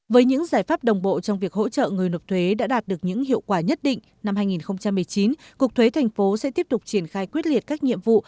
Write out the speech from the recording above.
với những giải pháp đồng bộ trong việc hỗ trợ người nộp thuế đã đạt được những hiệu quả nhất định năm hai nghìn một mươi chín cục thuế thành phố sẽ tiếp tục triển khai quyết liệt các nhiệm vụ